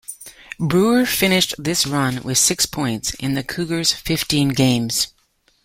Brewer finished this run with six points in the Cougars' fifteen games.